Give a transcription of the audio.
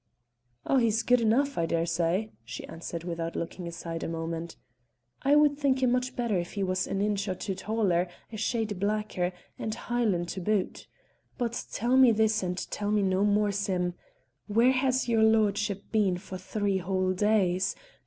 "Oh, he's good enough, I daresay," she answered without looking aside a moment. "I would think him much better if he was an inch or two taller, a shade blacker, and Hielan' to boot. But tell me this, and tell me no more, Sim; where has your lordship been for three whole days?